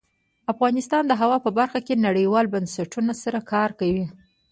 افغانستان د هوا په برخه کې نړیوالو بنسټونو سره کار کوي.